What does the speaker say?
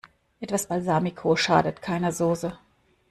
Etwas Balsamico schadet keiner Soße.